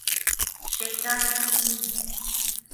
เช็กได้ที่นี่